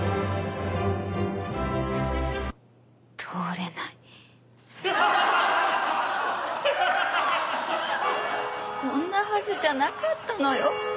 通れないこんなはずじゃなかったのよ